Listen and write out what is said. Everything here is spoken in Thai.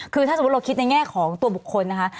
คือถ้าสมมุติเราคิดในแง่ของตัวบุคคลนะคะ